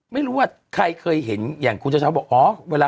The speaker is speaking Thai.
ไม่รู้ว่าใครเคยเห็นอย่างคุณเจ้า